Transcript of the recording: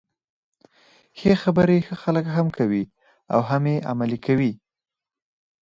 ښې خبري ښه خلک هم کوي او هم يې عملي کوي.